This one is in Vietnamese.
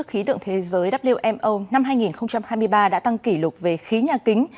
các tổ chức khí tượng thế giới wmo năm hai nghìn hai mươi ba đã tăng kỷ lục về khí nhà kính